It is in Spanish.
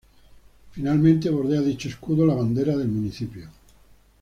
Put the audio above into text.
Finalmente, bordea dicho escudo la bandera del municipio.